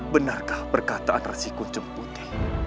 benarkah perkataan resikun jemputi